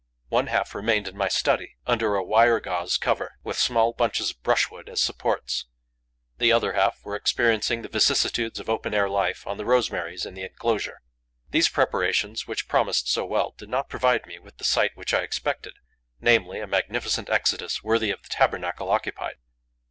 One half remained in my study, under a wire gauze cover, with, small bunches of brushwood as supports; the other half were experiencing the vicissitudes of open air life on the rosemaries in the enclosure. These preparations, which promised so well, did not provide me with the sight which I expected, namely, a magnificent exodus, worthy of the tabernacle occupied.